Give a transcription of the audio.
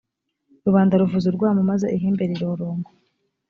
rubanda ruvuza urwamo maze ihembe riroroma.